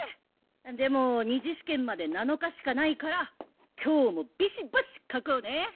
でも２次試験まで７日しかないから今日もビシバシ描こうね！